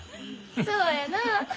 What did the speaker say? そうやなあ。